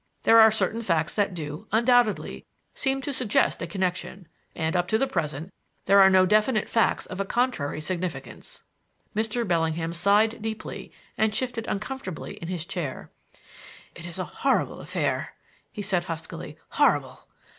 There are certain facts that do, undoubtedly, seem to suggest a connection, and, up to the present, there are no definite facts of a contrary significance." Mr. Bellingham sighed deeply and shifted uncomfortably in his chair. "It is a horrible affair!" he said huskily; "horrible!